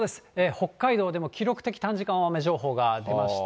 北海道でも記録的短時間大雨情報が出ました。